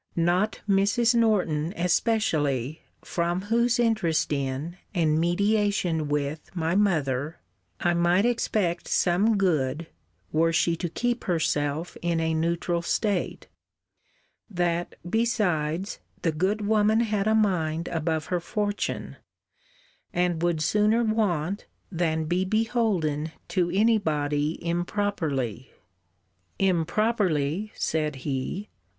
Not Mrs. Norton especially, from whose interest in, and mediation with, my mother, I might expect some good, were she to keep herself in a neutral state: that, besides, the good woman had a mind above her fortune; and would sooner want than be beholden to any body improperly. Improperly! said he.